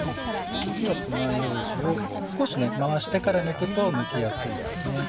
ではつまようじを少し回してから抜くと抜きやすいです。